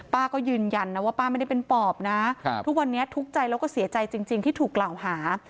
ป้าก็ยืนยันนะว่าป้าไม่ได้เป็นปอบนะทุกวันนี้ทุกข์ใจแล้วก็เสียใจจริงที่ถูกกล่าวหา